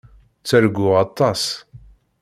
Ttarguɣ aṭas.